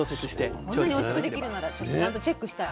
こんなにおいしくできるんならちゃんとチェックしたい。